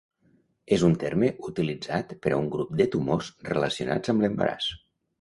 És un terme utilitzat per a un grup de tumors relacionats amb l'embaràs.